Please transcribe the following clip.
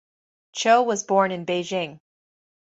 Cho was born in Beijing.